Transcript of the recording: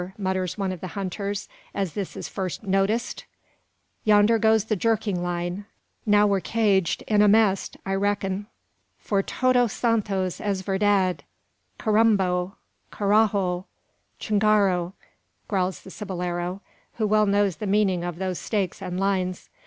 mutters one of the hunters, as this is first noticed; "yonder goes the jerking line! Now we're caged in airnest, I reckin." "Por todos santos, es verdad!" "Carambo! carrajo! chingaro!" growls the cibolero, who well knows the meaning of those stakes and lines.